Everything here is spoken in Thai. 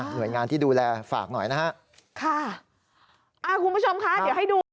หน่วยงานที่ดูแลฝากหน่อยนะฮะค่ะอ่าคุณผู้ชมคะเดี๋ยวให้ดู